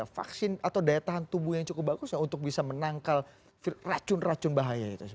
vaksin atau daya tahan tubuh yang cukup bagus untuk bisa menangkal racun racun bahaya itu